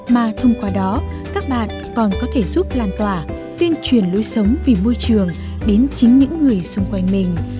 mà thông qua đó các bạn còn có thể giúp lan tỏa tuyên truyền lối sống vì môi trường đến chính những người xung quanh mình